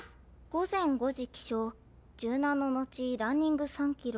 午前５時起床柔軟の後ランニング３ｋｍ。